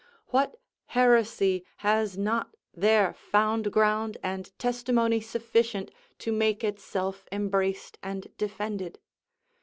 What heresy has not there found ground and testimony sufficient to make itself embraced and defended!